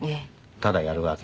ただやるだけ。